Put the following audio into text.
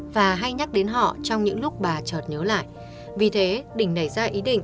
vì thế đình nảy ra ý định